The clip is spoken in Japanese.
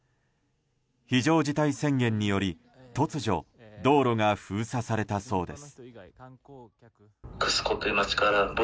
非常事態宣言により突如道路が封鎖されたそうです。